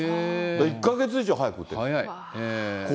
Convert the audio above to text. １か月以上早く打ってる。